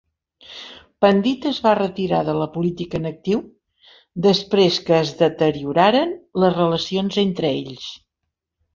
Pandit es va retirar de la política en actiu després que es deterioraren les relacions entre ells.